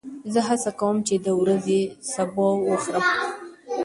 زه هڅه کوم چې د ورځې سبو وخورم.